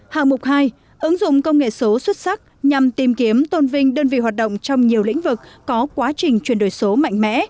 hạng mục hai ứng dụng công nghệ số xuất sắc nhằm tìm kiếm tôn vinh đơn vị hoạt động trong nhiều lĩnh vực có quá trình chuyển đổi số mạnh mẽ